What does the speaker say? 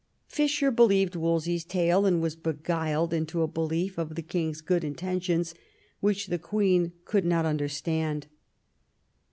Fisher believed Wolsey's tale, and was beguiled into a belief of the king's good intentions, which the queen could not understand.